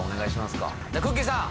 かくっきー！さん